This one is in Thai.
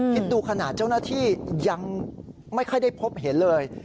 คิดดูขนาดเจ้าหน้าที่ยังไม่ค่อยได้พบเห็นเลย